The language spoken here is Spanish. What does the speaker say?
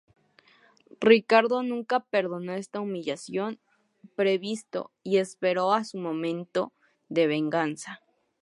Ricardo nunca perdonó esta humillación y previsto y esperó a su momento de venganza.